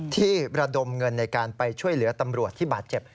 ที่ระดมเงินในการไปช่วยเหลือตำรวจที่บาดเจ็บ